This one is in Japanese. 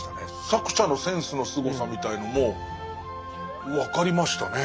作者のセンスのすごさみたいのも分かりましたね。